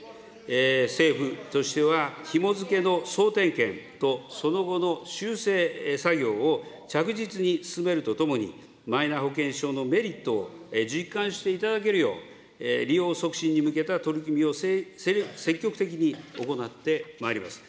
政府としてはひも付けの総点検とその後の修正作業を着実に進めるとともに、マイナ保険証のメリットを実感していただけるよう、利用促進に向けた取り組みを積極的に行ってまいります。